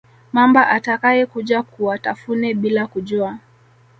mamba atayekuja kuwatafune bila kujua